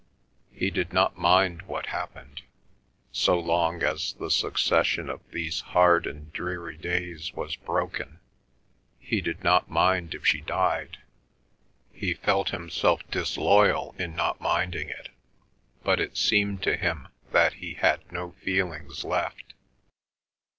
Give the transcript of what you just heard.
He did not mind what happened, so long as the succession of these hard and dreary days was broken; he did not mind if she died. He felt himself disloyal in not minding it, but it seemed to him that he had no feelings left.